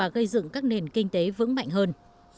cho nền kinh tế vững mạnh hơn